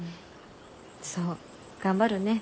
そう頑張るね。